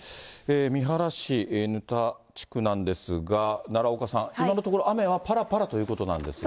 三原市沼田地区なんですが、奈良岡さん、今のところ雨はぱらぱらというところなんですが。